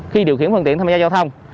khi điều khiển phương tiện tham gia giao thông